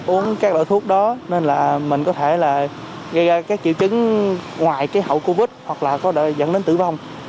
uống các loại thuốc đó nên là mình có thể là gây ra các triệu chứng ngoài cái hậu covid hoặc là có dẫn đến tử vong